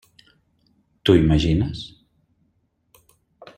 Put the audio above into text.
T'ho imagines?